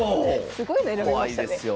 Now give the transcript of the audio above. すごいの選びましたね。